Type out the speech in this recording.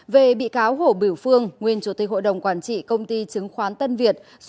về bị cáo hổ biểu phương nguyên chủ tịch hội đồng quản trị công ty chứng khoán tân việt